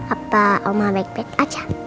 apa oma baik baik aja